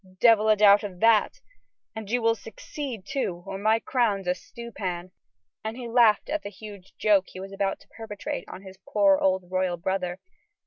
"Devil a doubt of that, and you will succeed, too, or my crown's a stew pan," and he laughed at the huge joke he was about to perpetrate on his poor, old royal brother.